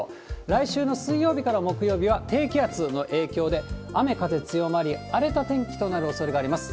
来週の水曜日から木曜日は、低気圧の影響で雨、風強まり、荒れた天気となるおそれがあります。